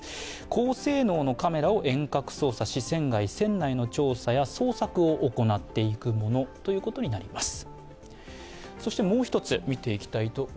高性能のカメラを遠隔操作し、船外・船内の調査や捜索を行っていくものということになります。